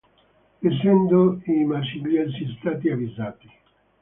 Essendo i marsigliesi stati avvisati.